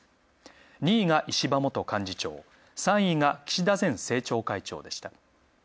２位が石破元幹事長、３位が岸田前政調会長でした。